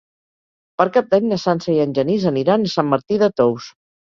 Per Cap d'Any na Sança i en Genís aniran a Sant Martí de Tous.